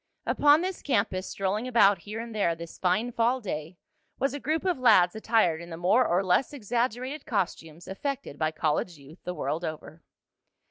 Upon this campus, strolling about here and there this fine fall day, was a group of lads attired in the more or less exaggerated costumes effected by college youth the world over.